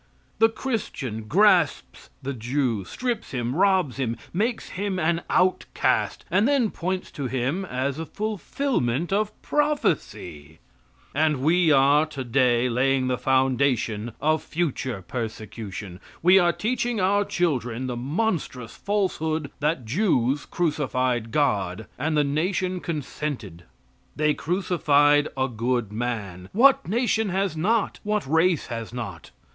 The Christian grasps the Jew, strips him, robs him, makes him an outcast, and then points to him as a fulfillment of prophecy; and we are today laying the foundation of future persecution we are teaching our children the monstrous falsehood that Jews crucified God, and the nation consented. They crucified a good man. What nation has not? What race has not?